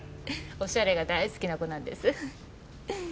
おしゃれが大好きな子なんです。